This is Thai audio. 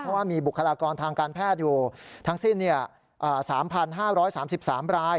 เพราะว่ามีบุคลากรทางการแพทย์อยู่ทั้งสิ้น๓๕๓๓ราย